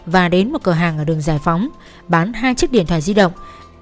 và đến một cửa hàng ở đường giải phóng bán hai chiếc điện thoại di động